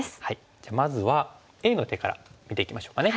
じゃあまずはＡの手から見ていきましょうかね。